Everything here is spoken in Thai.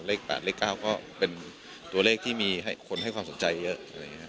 เลข๘เหล็ก๙ก็เป็นราคาที่ให้คนคะสันใจเยอะ